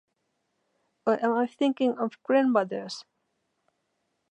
Or am I thinking of grandmothers?